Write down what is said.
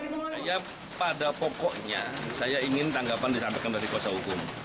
menurut saya pada pokoknya saya ingin tanggapan disampaikan dari kuasa hukum